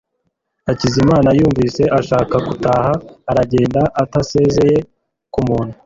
Hakizamana yumvise ashaka gutaha aragenda atasezeye kumuntu